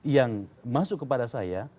yang masuk kepada saya